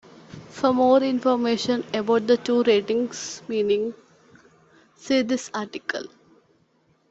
For more information about the two ratings' meaning, see this article.